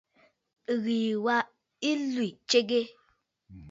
Ɨ́ɣèè wā ɨ́ í tʃégə́.